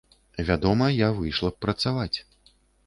Вядома, я выйшла б працаваць.